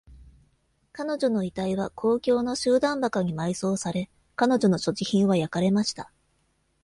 彼女の遺体は公共の集団墓に埋葬され、彼女の所持品は焼かれました。